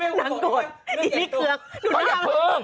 นางกดอีนี่เคือกเขาอย่าพึง